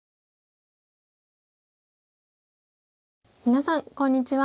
皆さんこんにちは。